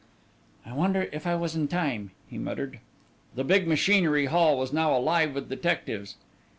"I wonder if I was in time?" he muttered. The big machinery hall was now alive with detectives.